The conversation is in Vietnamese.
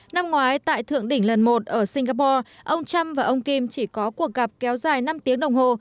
năm ngoái tại thượng đỉnh lần một ở singapore ông trump và ông kim chỉ có cuộc gặp kéo dài năm tiếng đồng hồ